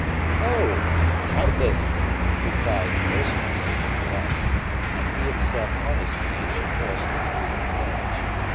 "Oh! doubtless," replied the postmaster with delight. And he himself harnessed the ancient horse to the creaking carriage.